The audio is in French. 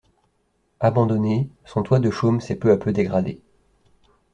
Abandonné, son toit de chaume s'est peu à peu dégradé.